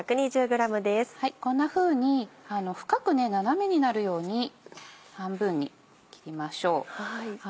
こんなふうに深く斜めになるように半分に切りましょう。